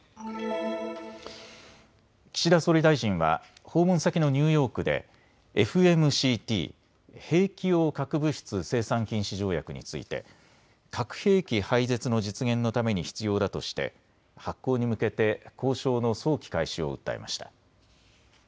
岸田総理大臣は訪問先のニューヨークでＦＭＣＴ・兵器用核物質生産禁止条約について核兵器廃絶の実現のために必要だとして発効に向けて交渉の早期開始を訴えました。